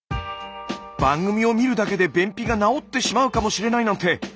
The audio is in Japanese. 番組を見るだけで便秘が治ってしまうかもしれないなんて